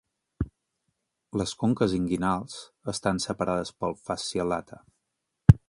Les conques inguinals estan separades pel fascia lata.